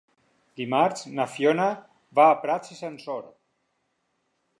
Dimarts na Fiona va a Prats i Sansor.